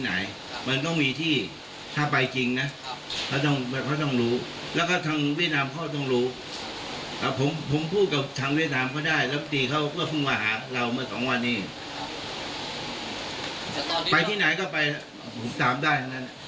ถ้าทำจะไปที่ไหนก็ไปผมตามได้